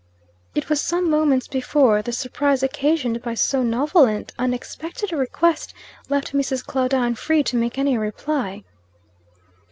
It was some moments before, the surprise occasioned by so novel and unexpected a request left Mrs. Claudine free to make any reply.